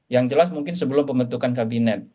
yang jelas mungkin sebelum pembentukan kabinet